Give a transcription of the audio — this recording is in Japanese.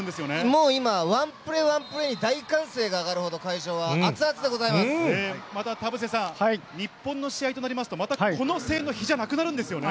もう今、ワンプレーワンプレーに大歓声が上がるほど会場は熱々でございままた田臥さん、日本の試合となりますと、またこの声援の比じゃなくなるんですね。